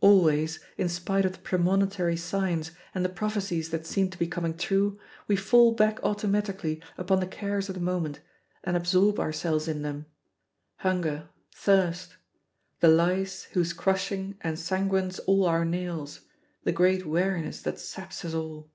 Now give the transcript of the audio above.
Always, in spite of the premonitory signs and the prophecies that seem to be coming true, we fall back automatically upon the cares of the moment and absorb ourselves in them hunger, thirst, the lice whose crushing ensanguines all our nails, the great weariness that saps us all.